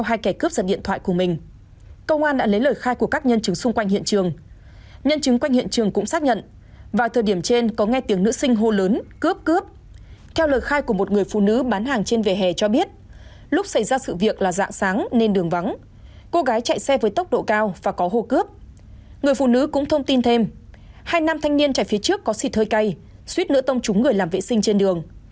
hai nam thanh niên chạy phía trước có xịt hơi cay suýt nửa tông chúng người làm vệ sinh trên đường